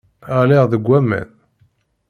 Ɣliɣ deg aman.